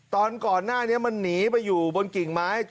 ตอนก่อนหน้านี้มันหนีไปอยู่บนกิ่งไม้